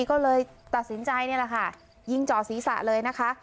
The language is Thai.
ก็เลยตัดสินใจนี่แหละค่ะยิงจ่อศีรษะเลยนะคะ